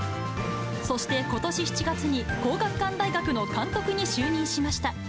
そしてことし７月に皇學館大学の監督に就任しました。